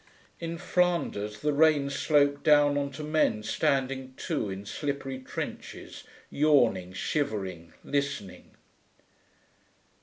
In Flanders, the rain sloped down on to men standing to in slippery trenches, yawning, shivering, listening....